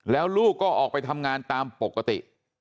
แล้วลูกก็ออกไปทำงานตามปกติ